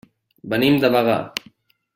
Venim de Bagà.